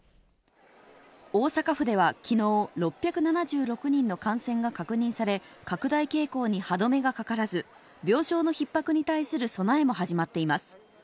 大阪府ではきのう、６７６人の感染が確認され、拡大傾向に歯止めがかからず、病床のひっ迫に対する備えも始まっています。